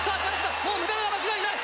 もうメダルは間違いない！